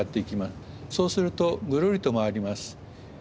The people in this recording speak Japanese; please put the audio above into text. そうするとぐるりと回ります。